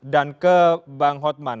dan ke bang hotman